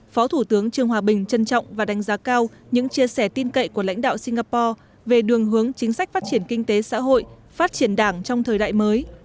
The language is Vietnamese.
phó thủ tướng trương hòa bình trân trọng và đánh giá cao những chia sẻ tin cậy của lãnh đạo singapore về đường hướng chính sách phát triển kinh tế xã hội phát triển đảng trong thời đại mới